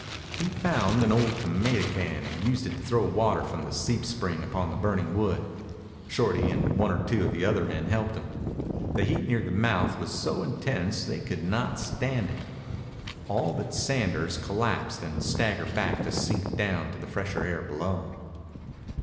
He found an old tomato can and used it to throw water from the seep spring upon the burning wood. Shorty and one or two of the other men helped him. The heat near the mouth was so intense they could not stand it. All but Sanders collapsed and staggered back to sink down to the fresher air below.